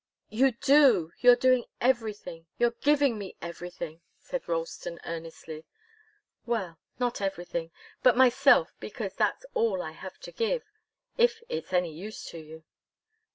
"You do! You're doing everything you're giving me everything," said Ralston, earnestly. "Well not everything but myself, because that's all I have to give if it's any use to you."